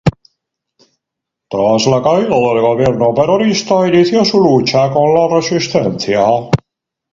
Tras la caída del gobierno peronista inició su lucha en la resistencia.